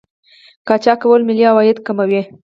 قاچاق کول ملي عواید کموي.